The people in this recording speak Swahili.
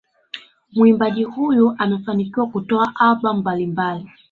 Muimbaji huyu amefanikiwa kutoa albamu mbalimbali